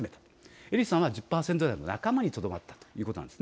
英利さんは、１０％台の半ばにとどまったということです。